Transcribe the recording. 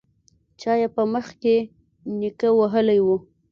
چا يې په مخ کې نيکه وهلی و.